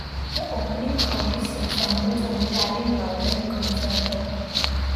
The opening chorus resembles an Italian violin concerto.